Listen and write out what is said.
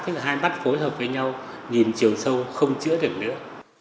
hai mắt phối hợp với nhau nhìn trường sâu không chữa được nữa